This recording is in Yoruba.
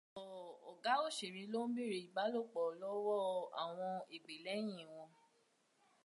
Ọ̀pọ̀ ọ̀gá òṣèré ló ń bèèrè ìbálòpọ̀ lọ́wọ́ àwọn ègbè lẹ́yìn wọn